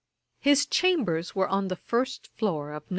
His Chambers were on the first floor of No.